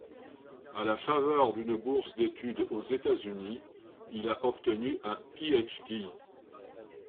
À la faveur d'une bourse d'études aux États-Unis, il a obtenu un Ph.D.